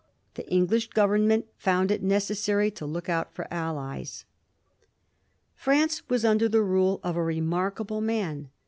The English Government found it necessary to look out for allies, France was under the rule of a remarkable man.